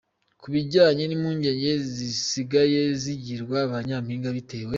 Ku bijyanye n’impungenge zisigaye zigirirwa ba nyampinga bitewe.